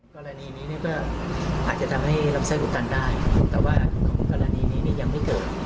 กรณีนี้ก็อาจจะทำให้รับใช้อุดตันได้แต่ว่ากรณีนี้ยังไม่เกิด